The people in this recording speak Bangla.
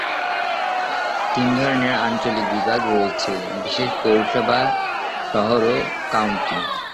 তিন ধরনের আঞ্চলিক বিভাগ রয়েছে: বিশেষ পৌরসভা, শহর ও কাউন্টি।